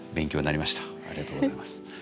ありがとうございます。